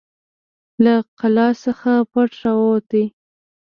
له قلا څخه پټ راووت.